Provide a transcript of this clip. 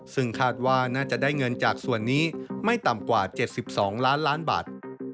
ซึ่งคาดว่าน่าจะได้เงินจากส่วนนี้ไม่ต่ำกว่า๗๒ล้านล้านบาท